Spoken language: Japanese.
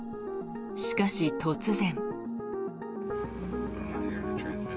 しかし、突然。